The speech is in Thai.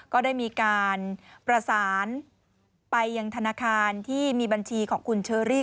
ก็ได้มีการประสานไปยังธนาคารที่มีบัญชีของคุณเชอรี่